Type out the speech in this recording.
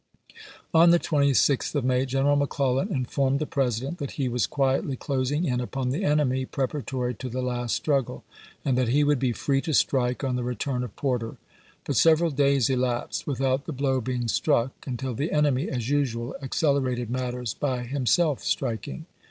1862. On the 26th of May General McClellan informed the President that he was " quietly closing in upon the enemy preparatory to the last struggle," and Vol xi., that he would be " free to strike " on the return of Part I., p. 33. Porter. But several days elapsed without the blow being struck, until the enemy, as usual, accelerated matters by himself striking.